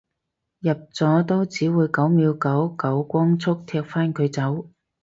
入咗都只會九秒九九光速踢返佢走